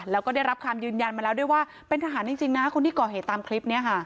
แล้วก็ได้รับคำยืนยันมาแล้วด้วยว่าเป็นทหารจริงนะคนที่ก่อเหตุตามคลิปนี้ค่ะ